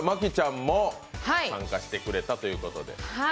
今回麻貴ちゃんも参加してくれたということで。